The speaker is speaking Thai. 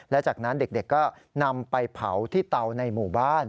และจากนั้นเด็กก็นำไปเผาที่เตาในหมู่บ้าน